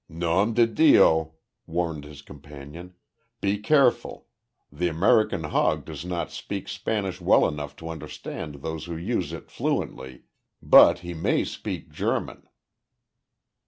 "Nom di Dio," warned his companion. "Be careful! The American hog does not speak Spanish well enough to understand those who use it fluently, but he may speak German."